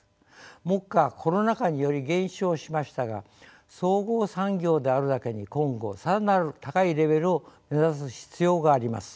目下コロナ禍により減少しましたが総合産業であるだけに今後更なる高いレベルを目指す必要があります。